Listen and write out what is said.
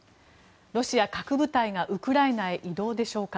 ロシア核部隊がウクライナへ移動でしょうか。